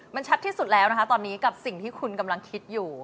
มันชัดที่สุดแล้วนะคะตอนนี้กับสิ่งที่คุณกำลังคิดอยู่